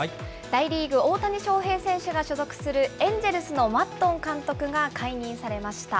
大リーグ、大谷翔平選手が所属するエンジェルスのマッドン監督が解任されました。